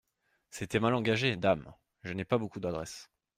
C'était mal engagé ; dame ! je n'ai pas beaucoup d'adresse.